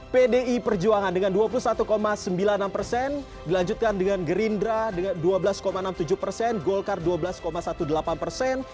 pdi perjuangan dengan dua puluh satu sembilan puluh enam persen dilanjutkan dengan gerindra dengan dua belas enam puluh tujuh persen golkar dua belas delapan belas persen